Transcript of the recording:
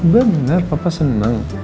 benar papa senang